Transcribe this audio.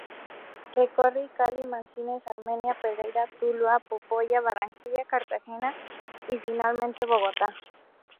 Recorre Cali, Manizales, Armenia, Pereira, Tuluá, Popayán, Barranquilla, Cartagena y finalmente Bogotá.